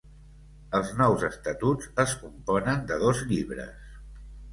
Els nous estatuts es componen de dos llibres.